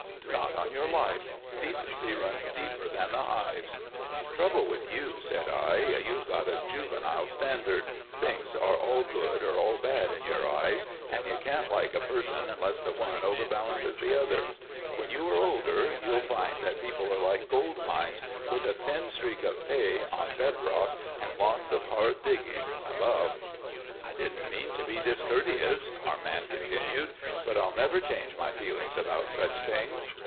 "Not on your life. Decency runs deeper than the hives." "Trouble with you," said I, "you've got a juvenile standard things are all good or all bad in your eyes and you can't like a person unless the one overbalances the other. When you are older you'll find that people are like gold mines, with a thin streak of pay on bed rock and lots of hard digging above." "I didn't mean to be discourteous," our man continued, "but I'll never change my feelings about such things.